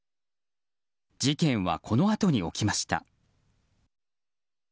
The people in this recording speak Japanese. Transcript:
事件は、このあとに起きました。